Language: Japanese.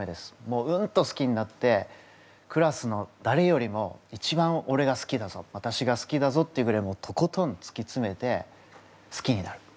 もううんと好きになってクラスのだれよりも一番俺が好きだぞわたしが好きだぞっていうぐらいとことんつきつめて好きになる。